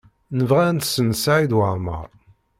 Nebɣa ad nessen Saɛid Waɛmaṛ.